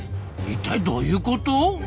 一体どういうこと？